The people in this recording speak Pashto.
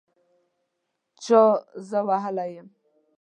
چا زه وهلي یم